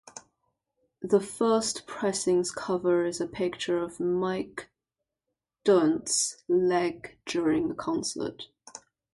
The first pressing's cover is a picture of Mike Dirnt's leg during a concert.